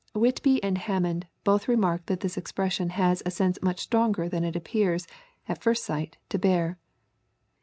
] Whitby and Hammond both remark that this expression has a sense much stronger than it appears, at first sight, to bear.